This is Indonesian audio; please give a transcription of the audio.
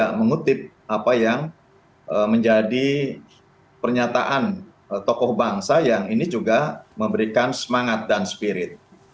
dan mengutip apa yang menjadi pernyataan tokoh bangsa yang ini juga memberikan semangat dan spirit